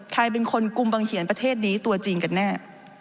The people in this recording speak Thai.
ใครเป็นคนกลุ่มบังเขียนประเทศนี้ตัวจริงกันแน่